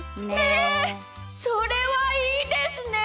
それはいいですね！